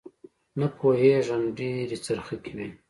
نه پوېېږم ډېرې څرخکې وې.